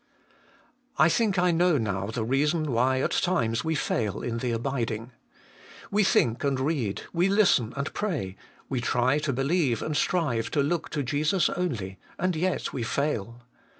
1. I think I know now the reason why at times we fall In the abiding. We think and read, we listen and pray, we try to believe and strive to look to Jesus only, and yet we fail.